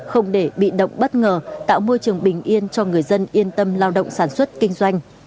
không để bị động bất ngờ tạo môi trường bình yên cho người dân yên tâm lao động sản xuất kinh doanh